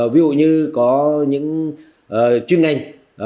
ví dụ như có những chuyên ngành